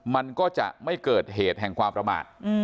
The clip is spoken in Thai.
มันก็จะไม่เกิดเหตุแห่งความประมาท